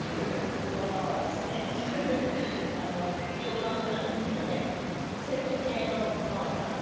ここのはですねようかん風なんですけどセルフ系のもなかなんで。